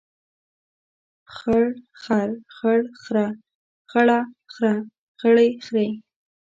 خړ خر، خړ خره، خړه خره، خړې خرې.